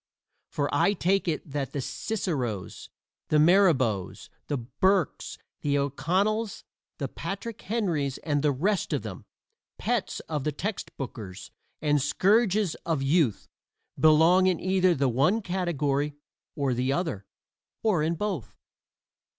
For I take it that the Ciceros, the Mirabeaus, the Burkes, the O'Connells, the Patrick Henrys and the rest of them pets of the text bookers and scourges of youth belong in either the one category or the other, or in both.